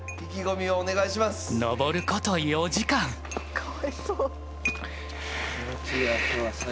かわいそう。